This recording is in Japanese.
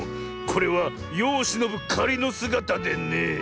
これはよをしのぶかりのすがたでね。